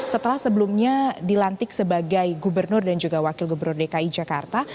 setelah sebelumnya dilantik sebagai gubernur dan juga wakil gubernur dki jakarta